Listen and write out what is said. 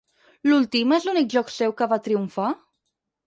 L'Ultima és l'únic joc seu que va triomfar?